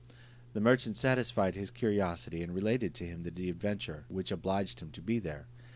The merchant satisfied his curiosity, and related to him the adventure which obliged him to be there.